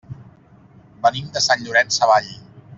Venim de Sant Llorenç Savall.